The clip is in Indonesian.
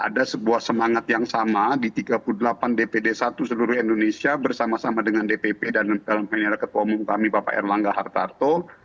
ada sebuah semangat yang sama di tiga puluh delapan dpd satu seluruh indonesia bersama sama dengan dpp dan ketua umum kami bapak erlangga hartarto